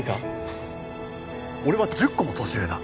俺は１０個も年上だ。